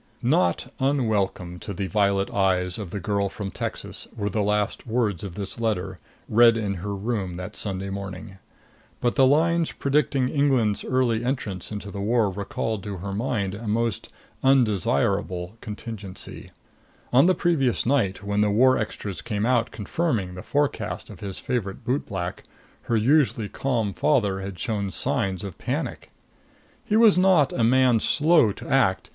Not unwelcome to the violet eyes of the girl from Texas were the last words of this letter, read in her room that Sunday morning. But the lines predicting England's early entrance into the war recalled to her mind a most undesirable contingency. On the previous night, when the war extras came out confirming the forecast of his favorite bootblack, her usually calm father had shown signs of panic. He was not a man slow to act.